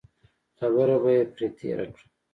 خبره به یې پرې تېره کړه.